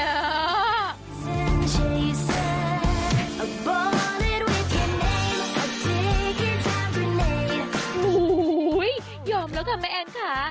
โอ้โหยอมแล้วค่ะแม่แอนค่ะ